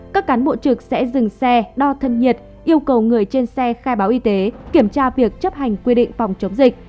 các cán bộ trực sẽ dừng xe đo thân nhiệt yêu cầu người trên xe khai báo y tế kiểm tra việc chấp hành quy định phòng chống dịch